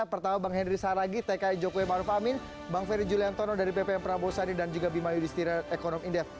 pertama bang henry saragi tki jokowi ma'ruf amin bang ferry juliantono dari ppm prabowo sani dan juga bima yudi setirian ekonomi indef